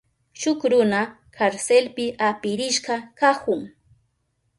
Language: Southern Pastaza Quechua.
Shuk runa karselpi apirishka kahun.